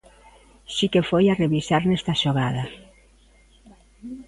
Si que foi a revisar nesta xogada.